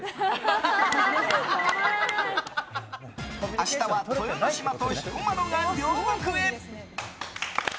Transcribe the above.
明日は豊ノ島と彦摩呂が両国へ！